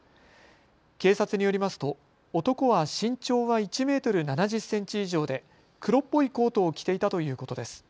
警察によりますと男は身長は１メートル７０センチ以上で黒っぽいコートを着ていたということです。